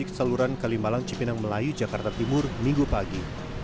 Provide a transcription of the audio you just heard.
keseluruhan kalimbalan cipinang melayu jakarta timur minggu pagi